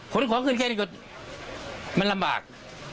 ขนของขึ้นแค่นี้ก็มันลำบาก